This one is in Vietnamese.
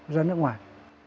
ra nước ngoài